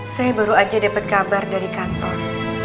saya baru aja dapat kabar dari kantor